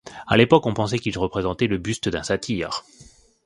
À l'époque, on pensait qu'il représentait le buste d'un satyre.